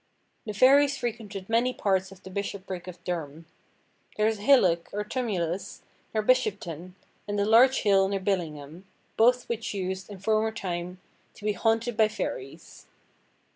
The fairies frequented many parts of the bishopric of Durham. There is a hillock, or tumulus, near Bishopton, and a large hill near Billingham, both which used, in former time, to be "haunted by fairies."